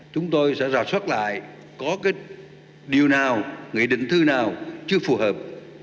chúng tôi sẽ rà soát lại có cái điều nào nghị định thư nào chưa phù hợp